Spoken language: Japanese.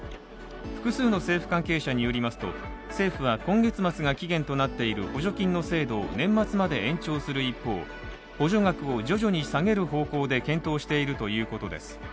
複数の政府関係者によりますと、政府は今月末が期限となっている補助金の制度を年末まで延長する一方補助額を徐々に下げる方向で検討しているということです。